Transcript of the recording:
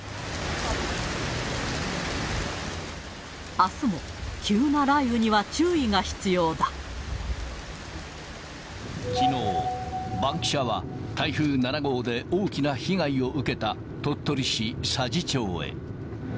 あすも、急な雷雨には注意がきのう、バンキシャは、台風７号で大きな被害を受けた、鳥取市佐治町へ。